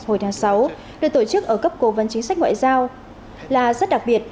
hồi tháng sáu được tổ chức ở cấp cố vấn chính sách ngoại giao là rất đặc biệt